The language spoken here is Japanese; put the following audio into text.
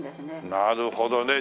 なるほどね。